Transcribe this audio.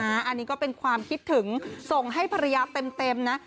อันนี้ก็เป็นความคิดถึงส่งให้ภรรยาเต็มนะ